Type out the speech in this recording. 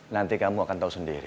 nanti kamu akan tahu sendiri